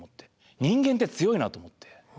人間って強いなと思って。